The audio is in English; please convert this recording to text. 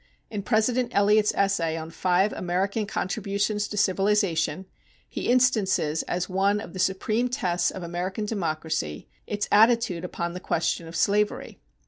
In President Eliot's essay on "Five American Contributions to Civilization," he instances as one of the supreme tests of American democracy its attitude upon the question of slavery.